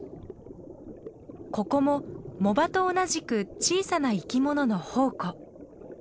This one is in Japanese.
ここも藻場と同じく小さな生き物の宝庫。